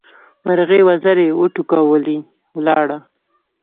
مرغۍ وزرې وټکولې؛ ولاړه.